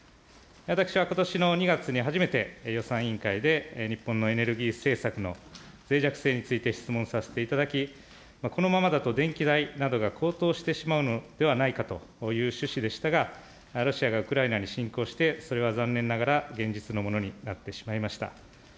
私はことしの２月に初めて予算委員会で日本のエネルギー政策のぜい弱性について質問させていただき、このままだと電気代などが高騰してしまうのではないかという趣旨でしたが、ロシアがウクライナに侵攻してそれは残念ながら現実のものになってしまいました。